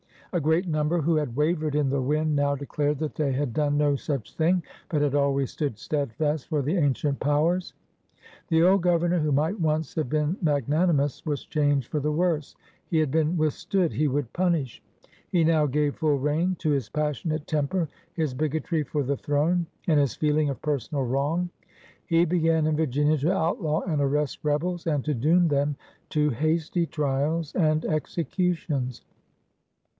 A great number who had wavered in the wind now declared that they had done no such thing, but had always stood steadfast for the ancient powers. The old Governor, who might once have been magnanimous, was changed for the worse. He had been withstood; he would pimish. He now gave full rein to his passionate temper, his bigotry for the throne, and his feeling of personal wrong. He b^an in Virginia to outlaw and arrest rebels, and to doom them to hasty trials and executions.